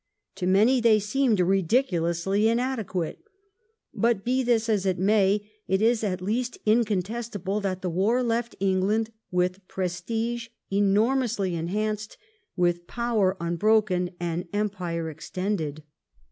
To many they seemed ridiculously inadequate. But be this as it may, it is at least incontestable that the war left England with prestige enor mously enhanced, with power unbroken, and Empire extended.